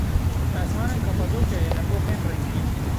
Li esmanên Kapadokyayê nepoxên rengîn.